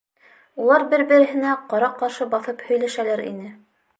Улар бер-береһенә ҡара-ҡаршы баҫып һөйләшәләр ине.